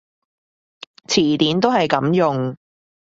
詞典都係噉用